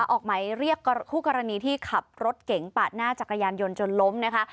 ออกหมายเรียกคู่กรณีที่ขับรถเก๋งปาดหน้าจักรยานยนต์จนล้มนะคะ